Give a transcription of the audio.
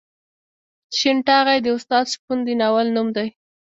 شین ټاغی د استاد شپون د ناول نوم دی.